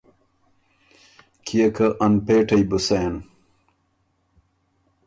کيې که انپېټئ بُو سېن۔